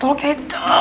kemaren kerekam gak ya